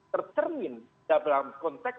tercermin dalam konteks